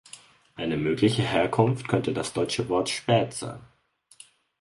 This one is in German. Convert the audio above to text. Eine mögliche Herkunft könnte das deutsche Wort "spät" sein.